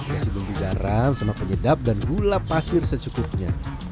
nasi bumbu garam sama penyedap dan gula pasir secukupnya